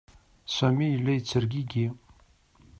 Sami yella yettergigi.